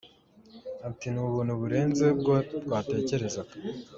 Ati “Ni ubuntu burenze ubwo twatekerezaga.